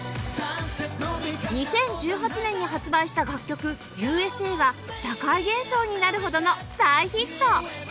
２０１８年に発売した楽曲『Ｕ．Ｓ．Ａ．』は社会現象になるほどの大ヒット